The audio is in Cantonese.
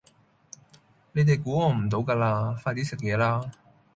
你哋估我唔到㗎嘞，快啲食嘢啦